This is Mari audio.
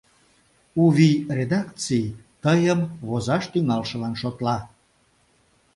«У вий» редакций тыйым возаш тӱҥалшылан шотла.